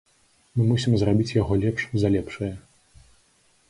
Мы мусім зрабіць яго лепш за лепшае.